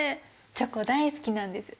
チョコ大好きなんです。